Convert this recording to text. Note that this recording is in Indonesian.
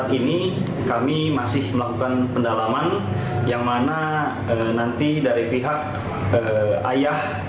saat ini kami masih melakukan pendalaman yang mana nanti dari pihak ayah